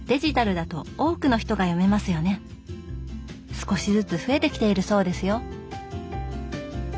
少しずつ増えてきているそうですよ。